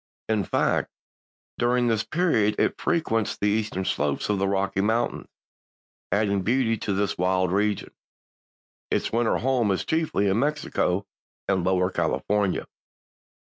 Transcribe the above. In fact, during this period it frequents the eastern slopes of the Rocky Mountains, adding beauty to this wild region. Its winter home is chiefly in Mexico and Lower California.